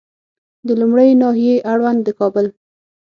د لومړۍ ناحیې اړوند د کابل